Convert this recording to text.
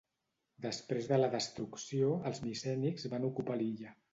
Després de la destrucció, els micènics van ocupar l'illa.